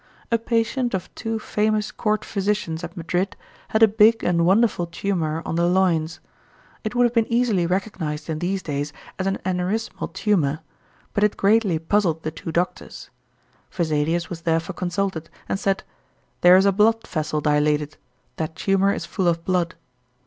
A patient of two famous court physicians at Madrid had a big and wonderful tumour on the loins. It would have been easily recognized in these days as an aneurismal tumour, but it greatly puzzled the two doctors. Vesalius was therefore consulted, and said, "There is a blood vessel dilated; that tumour is full of blood."